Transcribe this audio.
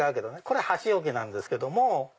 これ箸置きなんですけども。